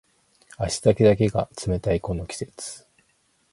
足先だけが冷たいこの季節